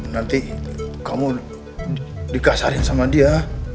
nanti kamu dikasarin sama dia